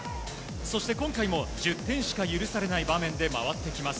そして今回も１０点しか許されない場面で回ってきます。